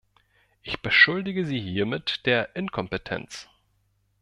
Ich beschuldige Sie hiermit der Inkompetenz.